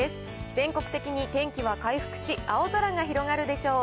全国的に天気は回復し、青空が広がるでしょう。